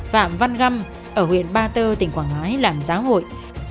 phạm văn găm ở huyện ba tơ tỉnh quảng ngãi làm giáo hội